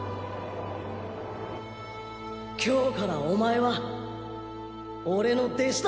今日からお前は俺の弟子だ